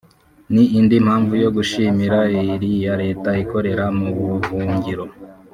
ni indi mpamvu yo gushimira iriya leta ikorera mu buhungiro